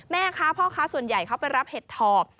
แม่ค้าพ่อค้าส่วนใหญ่เขาไปรับเห็ดถอบ